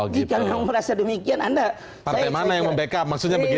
kalau merasa demikian anda partai mana yang membackup maksudnya begitu